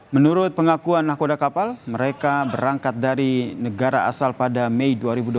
menurut pengakuan nahkoda kapal mereka berangkat dari negara asal pada mei dua ribu dua puluh